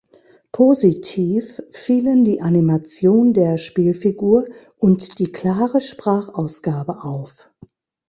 Positiv fielen die Animation der Spielfigur und die klare Sprachausgabe auf.